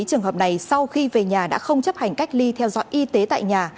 trường hợp này sau khi về nhà đã không chấp hành cách ly theo dõi y tế tại nhà